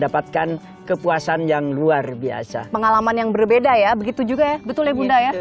penelaman yang berbeda ya begitu juga ya betul ya bunda ya